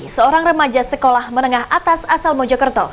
seorang remaja sekolah menengah atas asal mojokerto